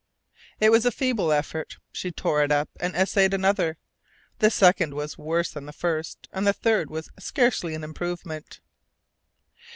It was a feeble effort. She tore it up and essayed another. The second was worse than the first, and the third was scarcely an improvement.